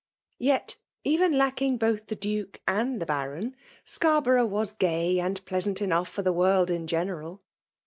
Yet, even ladcing both the Duke and the Baron, Scarborough was gay and pleasaift enough for the worid in general.